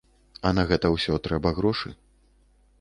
А на гэта ўсё трэба грошы.